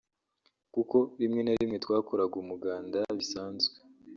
kuko rimwe na rimwe twakoraga umuganda bisanzwe